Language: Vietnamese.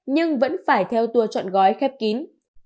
nhưng vẫn phải theo tour chọn gói khép kín